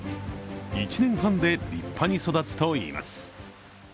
１年半で立派に育つといいます。